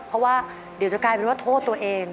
เพราะว่าเดี๋ยวจะกลายเป็นว่าโทษตัวเอง